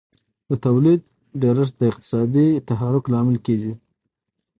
د تولید ډېرښت د اقتصادي تحرک لامل کیږي.